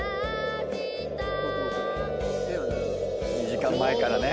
２時間前からね。